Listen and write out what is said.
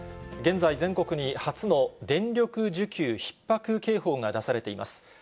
現在、全国に初の電力需給ひっ迫警報が出されています。